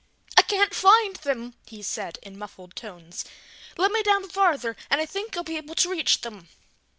"I can't find them!" he said in muffled tones. "Let me down farther and I think I'll be able to reach them!"